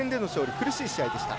苦しい試合でした。